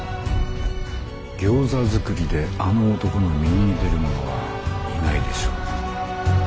ギョーザ作りであの男の右に出る者はいないでしょう。